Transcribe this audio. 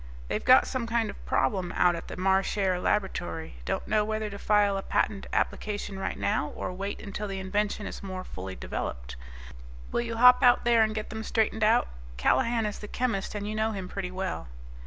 "They've got some kind of problem out at the Marchare Laboratory don't know whether to file a patent application right now, or wait until the invention is more fully developed. Will you hop out there and get them straightened out? Callahan is the chemist, and you know him pretty well."